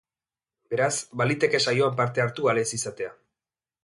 Beraz, baliteke saioan parte hartu ahal ez izatea.